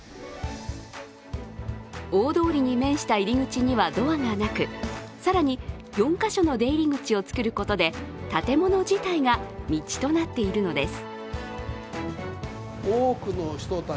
大通りに面した入り口にはドアがなく、更に４か所の出入り口をつくることで建物自体が道となっているのです。